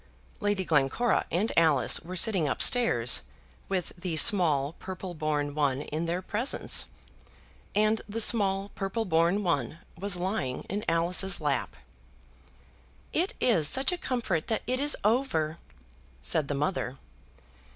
Lady Glencora and Alice were sitting up stairs with the small, purple born one in their presence, and the small, purple born one was lying in Alice's lap. "It is such a comfort that it is over," said the mother.